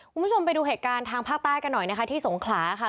คุณผู้ชมไปดูเหตุการณ์ทางภาคใต้กันหน่อยนะคะที่สงขลาค่ะ